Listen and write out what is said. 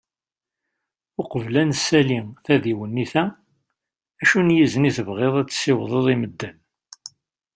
Uqbel ad nesali tadiwennit-a, acu n yizen i tebɣiḍ ad tessiwḍeḍ i medden?